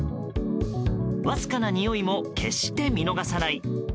わずかなにおいも決して見逃さない